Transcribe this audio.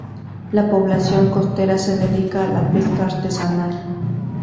La población costera se dedica a la pesca artesanal.